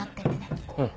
うん。